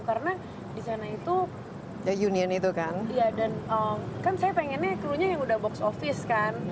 karena di sana itu kan saya pengennya crew nya yang udah box office kan